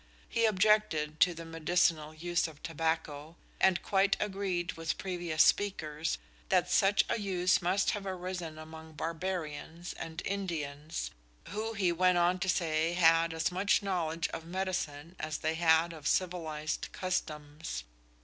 He objected to the medicinal use of tobacco, and quite agreed with previous speakers that such a use must have arisen among Barbarians and Indians, who he went on to say had as much knowledge of medicine as they had of civilized customs.